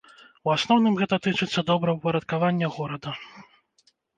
У асноўным гэта тычыцца добраўпарадкавання горада.